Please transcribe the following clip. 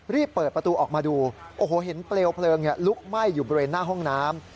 รีบเปิดประตูออกมาดูโอ้โหเห็นเปลวเพลิงลุกไหม้อยู่บริเวณหน้าห้องน้ำ